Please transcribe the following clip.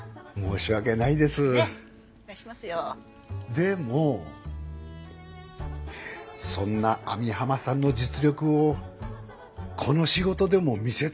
でもそんな網浜さんの実力をこの仕事でも見せつけて下さい。